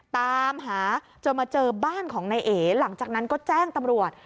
ตามหาจนมาเจอบ้านของนายเอ๋หลังจากนั้นก็แจ้งตำรวจ